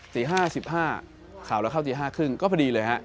ตี๕๑๕ข่าวเราเข้าตี๕๓๐ก็พอดีเลยฮะ